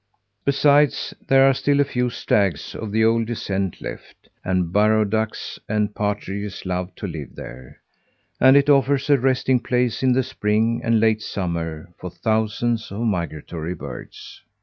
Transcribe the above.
Besides, there are still a few stags of the old descent left; and burrow ducks and partridges love to live there, and it offers a resting place, in the spring and late summer, for thousands of migratory birds.